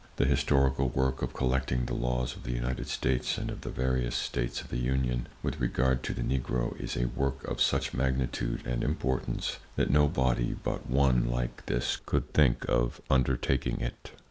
The historical work of collecting the laws of the United States and of the various States of the Union with regard to the Negro is a work of such magnitude and importance that no body but one like this could think of undertaking it.